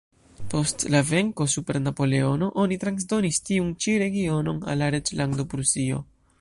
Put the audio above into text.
Post la venko super Napoleono oni transdonis tiun ĉi regionon al la reĝlando Prusio.